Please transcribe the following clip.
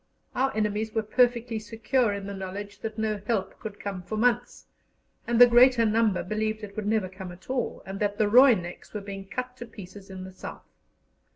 Our enemies were perfectly secure in the knowledge that no help could come for months, and the greater number believed it would never come at all, and that the "Roineks" were being cut to pieces in the South.